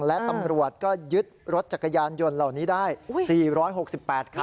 และตำรวจก็ยึดรถจักรยานยนต์เหล่านี้ได้๔๖๘คัน